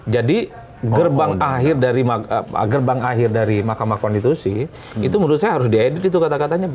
jadi gerbang akhir dari makamah konstitusi itu menurut saya harus diedit itu kata katanya